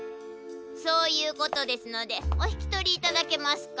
そういうことですのでおひきとりいただけますか。